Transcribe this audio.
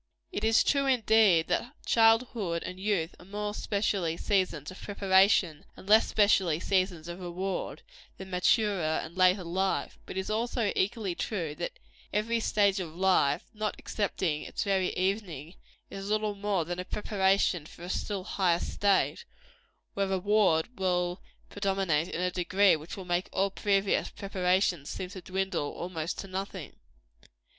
It is true, indeed, that childhood and youth are more specially seasons of preparation, and less specially seasons of reward, than maturer and later life; but it is also equally true, that every stage of life, not excepting its very evening, is little more than a preparation for a still higher state, where reward will predominate in a degree which will make all previous preparation seem to dwindle almost to nothing.